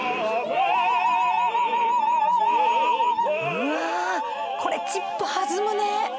うわこれチップ弾むね。